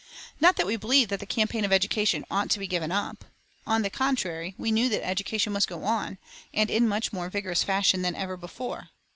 Not that we believed that the campaign of education ought to be given up. On the contrary, we knew that education must go on, and in much more vigorous fashion than ever before.